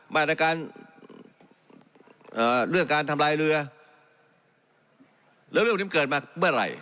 มาตรการเรื่องการทำลายเรือแล้วเรื่องนี้มันเกิดมาเมื่อไหร่